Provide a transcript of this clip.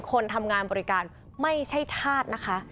คนทำงานบริการไม่ใช่ธาตุนะคะ